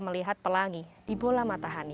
melihat pelangi di bola mata hani